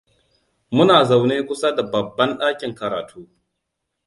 Muna zaune kusa da babban ɗakin karatu.